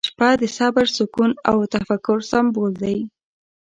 • شپه د صبر، سکون، او تفکر سمبول دی.